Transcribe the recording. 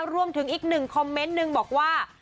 ร่วมถึงอีกคอมเมนต์หนึ่งบอกว่า